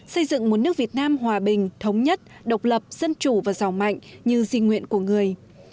xây dựng một nước việt nam hòa bình thống nhất độc lập dân chủ và giàu mạnh như di nguyện của người